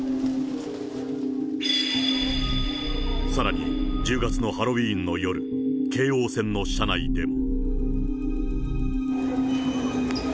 さらに１０月のハロウィーンの夜、京王線の車内でも。